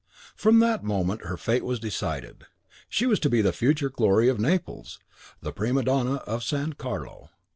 From that moment her fate was decided: she was to be the future glory of Naples, the prima donna of San Carlo.